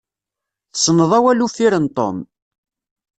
Tessneḍ awal uffir n Tom?